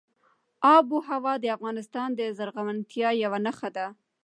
آب وهوا د افغانستان د زرغونتیا یوه نښه ده.